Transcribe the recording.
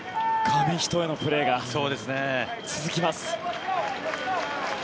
紙一重のプレーが続きます。